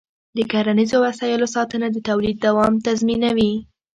د کرنيزو وسایلو ساتنه د تولید دوام تضمینوي.